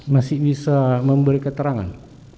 masih bisa memberi keterangan